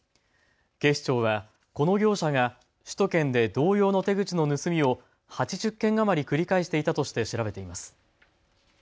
警視庁はこの業者が首都圏で同様の手口の盗みを８０件余り繰り返していたとして調べています。